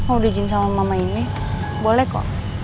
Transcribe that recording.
kalau udah ijin sama mama ini boleh kok